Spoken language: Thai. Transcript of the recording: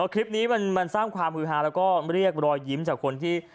คลิปนี้มันสร้างความฮือฮาแล้วก็เรียกรอยยิ้มจากคนที่